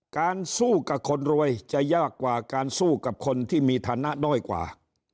การสู้กับคนรวยจะยากกว่าการสู้กับคนที่มีฐานะด้อยกว่า